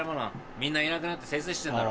みんないなくなってせいせいしてんだろ。